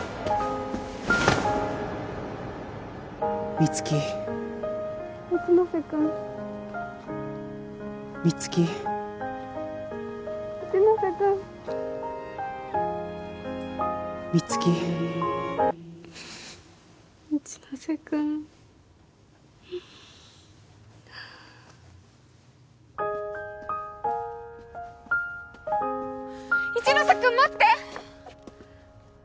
美月フフッ一ノ瀬君一ノ瀬君待って！